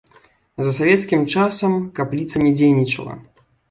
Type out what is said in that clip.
За савецкім часам капліца не дзейнічала.